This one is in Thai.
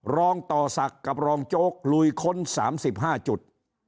รองต่อศักดิ์กับรองโจ๊กลุยค้น๓๕จุด